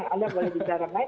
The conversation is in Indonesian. anda boleh bicara baik